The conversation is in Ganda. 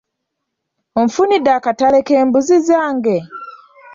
Onfunidde akatale k'embuzi zaange?